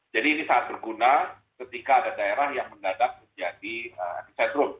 jadi ini sangat berguna ketika ada daerah yang mendadak menjadi epicentrum